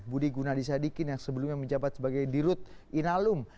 budi gunadisadikin yang sebelumnya menjabat sebagai dirut inalum